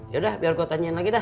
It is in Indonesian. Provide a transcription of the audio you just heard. yaudah biar gue tanyain lagi dah